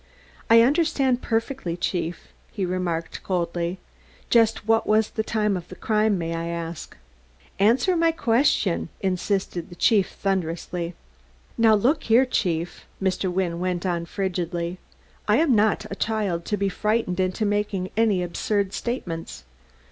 "I understand perfectly, Chief," he remarked coldly. "Just what was the time of the crime, may I ask?" "Answer my question," insisted the Chief thunderously. "Now look here, Chief," Mr. Wynne went on frigidly, "I am not a child to be frightened into making any absurd statements.